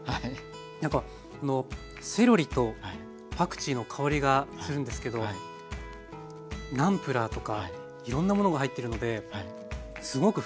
何かあのセロリとパクチーの香りがするんですけどナンプラーとかいろんなものが入ってるのですごく複雑なうまみですね。